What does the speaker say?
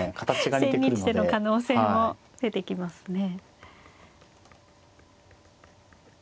千日手の可能性も出てきますね。